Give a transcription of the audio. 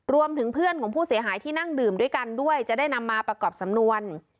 รวมถึงเพื่อนของผู้เสียหายที่นั่งดื่มด้วยกันด้วยจะได้นำมาประกอบสำนวน